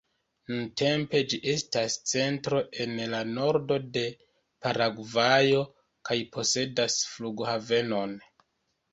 Nuntempe ĝi estas centro en la nordo de Paragvajo kaj posedas flughavenon.